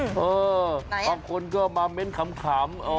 อืมไหนล่ะบางคนก็มาเม้นต์ขำ